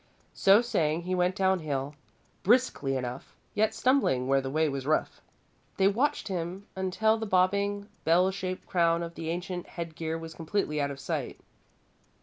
So saying, he went downhill, briskly enough, yet stumbling where the way was rough. They watched him until the bobbing, bell shaped crown of the ancient head gear was completely out of sight.